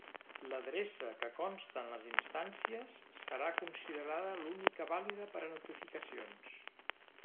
L'adreça que conste en les instàncies serà considerada l'única vàlida per a notificacions.